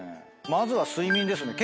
まずは睡眠ですね。